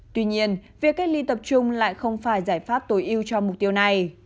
tuy nhiên việc cách ly tập trung lại không phải giải pháp tối ưu cho mục tiêu này